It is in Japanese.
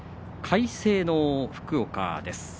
快晴の福岡です。